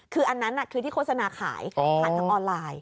คืออันนั้นคือที่โฆษณาขายผ่านทางออนไลน์